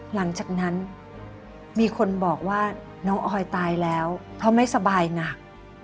หลังจากนั้นมีคนบอกว่าน้องออยตายแล้วเพราะไม่สบายหนัก